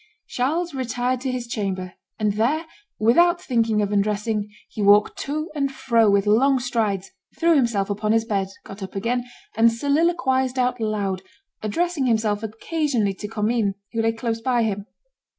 Charles retired to his chamber; and there, without thinking of undressing, he walked to and fro with long strides, threw himself upon his bed, got up again, and soliloquized out loud, addressing himself occasionally to Commynes, who lay close by him.